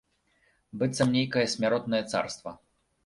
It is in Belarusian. Быццам нейкае смяротнае царства.